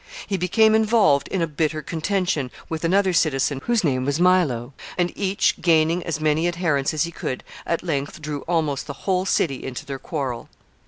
He became involved in a bitter contention with another citizen whose name was Milo, and each, gaining as many adherents as he could, at length drew almost the whole city into their quarrel.